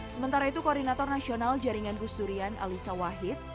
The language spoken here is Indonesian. sementara itu koordinator nasional jaringan gus durian alisa wahid